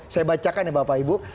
saya bacakan ya bapak ibu